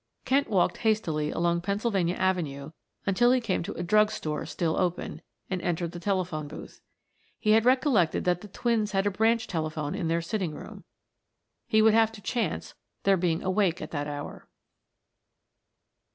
Kent walked hastily along Pennsylvania Avenue until he came to a drug store still open, and entered the telephone booth. He had recollected that the twins had a branch telephone in their sitting room; he would have to chance their being awake at that hour.